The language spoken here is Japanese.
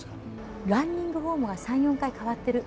ランニングフォームが３、４回変わってる。